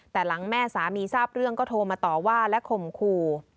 แต่หลังแม่สามีทราบเรื่องก็โทรมาต่อว่าและข่มขู่